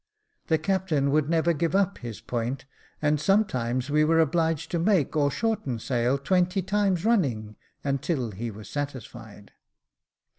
The captain would never give up his point, and sometimes we were obliged to make or shorten sail twenty times running until he was satisfied.